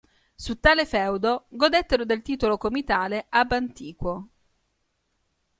Su tale feudo godettero del titolo comitale "ab antiquo".